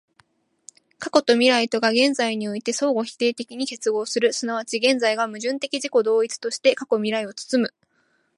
過去と未来とが現在において相互否定的に結合する、即ち現在が矛盾的自己同一として過去未来を包む、